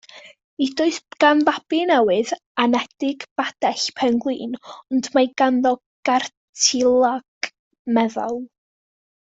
Nid oes gan fabi newydd anedig badell pen-glin, ond mae ganddo gartilag meddal.